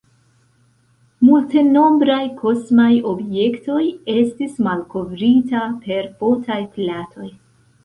Multenombraj kosmaj objektoj estis malkovrita per fotaj platoj.